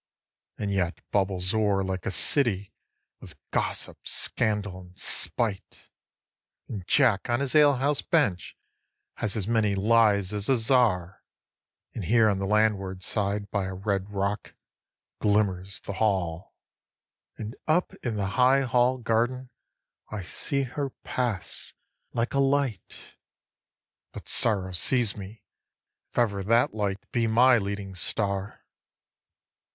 And yet bubbles o'er like a city, with gossip, scandal, and spite; And Jack on his ale house bench has as many lies as a Czar; And here on the landward side, by a red rock, glimmers the Hall; And up in the high Hall garden I see her pass like a light; But sorrow seize me if ever that light be my leading star!